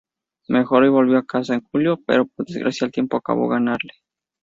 Mejoró y volvió a casa en julio, pero por desgracia, el tiempo acabó ganarle.